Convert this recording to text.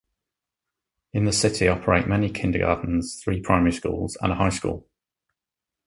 In the city operate many kindergartens, three primary schools and a high school.